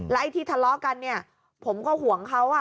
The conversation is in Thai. ไอ้ที่ทะเลาะกันเนี่ยผมก็ห่วงเขา